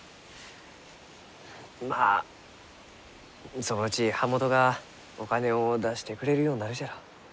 まあそのうち版元がお金を出してくれるようになるじゃろう。